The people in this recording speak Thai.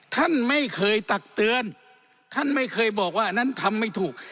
ท่านไม่เคยตักเตือนท่านไม่เคยบอกว่าอันนั้นทำไม่ถูก